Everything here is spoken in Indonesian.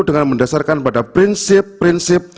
dengan mendasarkan pada prinsip prinsip